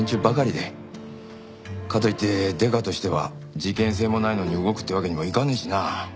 かといってデカとしては事件性もないのに動くってわけにもいかねえしな。